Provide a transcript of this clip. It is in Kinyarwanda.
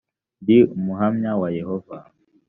ndi umuhamya wa yehova